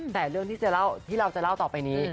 แต่เรื่องที่เราจะเล่าต่อไปนี้